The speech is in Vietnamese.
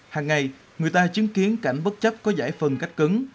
hàng ngày người ta chứng kiến cảnh bất chấp có giải phân cách cứng